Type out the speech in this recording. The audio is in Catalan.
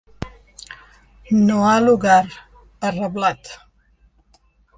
No ha lugar, ha reblat.